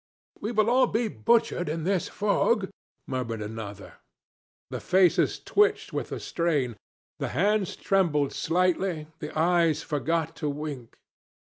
'We will all be butchered in this fog,' murmured another. The faces twitched with the strain, the hands trembled slightly, the eyes forgot to wink.